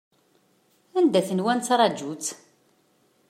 Anda i tenwa nettṛaju-tt?